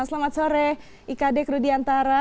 selamat sore ikd kru diantara